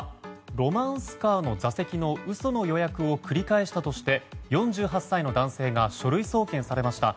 ロマンスカーの座席の嘘の予約を繰り返したとして４８歳の男性が書類送検されました。